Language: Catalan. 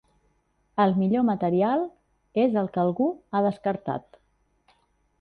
El millor material és el que algú ha descartat.